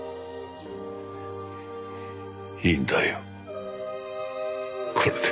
いいんだよこれで。